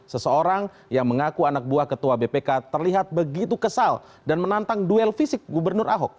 seseorang yang mengaku anak buah ketua bpk terlihat begitu kesal dan menantang duel fisik gubernur ahok